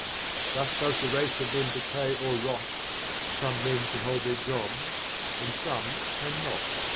Thus does the race of man decay or rot Some men can hold their jobs and some can not.